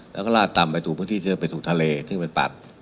แล้วก็ลาดต่ำไปถึงพื้นที่ที่เราไปถึงทะเล